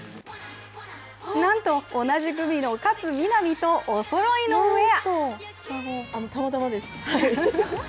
なんと同じ組の勝みなみとおそろいのウエア。